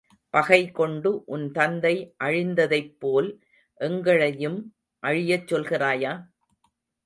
பகைகொண்டு உன் தந்தை அழிந்ததைப் போல் எங்களையும் அழியச் சொல்கிறாயா?